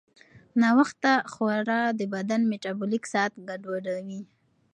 ناوخته خورا د بدن میټابولیک ساعت ګډوډوي.